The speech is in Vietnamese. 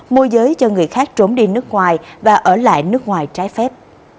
môi giới cho người khác trốn đi nước ngoài và ở lại nước ngoài trái phép